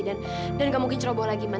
dan gak mungkin ceroboh lagi man